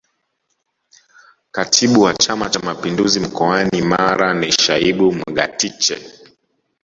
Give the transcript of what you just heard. Katibu wa Chama cha Mapinduzi mkoanu Mara ni Shaibu Ngatiche